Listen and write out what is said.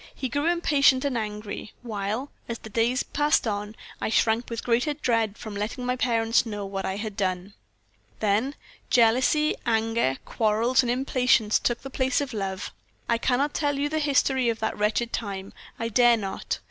He grew impatient and angry, while, as the days passed on, I shrank with greater dread from letting my parents know what I had done. "Then jealousy, anger, quarrels, and impatience took the place of love. I cannot tell you the history of that wretched time I dare not.